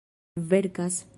verkas